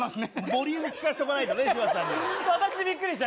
ボリュームきかせておかないとね。